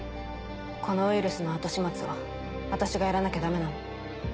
このウイルスの後始末は私がやらなきゃダメなの。